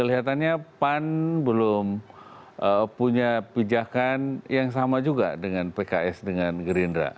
kelihatannya pan belum punya pijakan yang sama juga dengan pks dengan gerindra